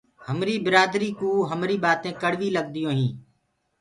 همري برآدري ڪوُ همري بآتينٚ ڪڙوي لگديونٚ هينٚ۔